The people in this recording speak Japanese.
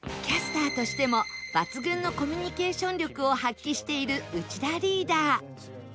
キャスターとしても抜群のコミュニケーション力を発揮している内田リーダー